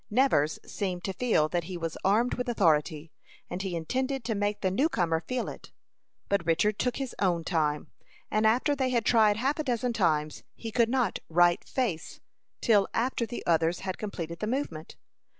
Nevers seemed to feel that he was armed with authority, and he intended to make the new comer feel it; but Richard took his own time, and after they had tried half a dozen times, he could not "right face" till after the others had completed the movement.